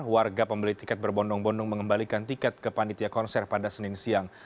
warga pembeli tiket berbondong bondong mengembalikan tiket ke panitia konser pada senin siang